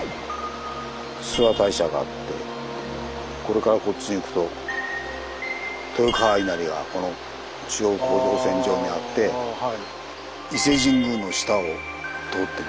諏訪大社があってこれからこっちに行くと豊川稲荷がこの中央構造線上にあって伊勢神宮の下を通ってる。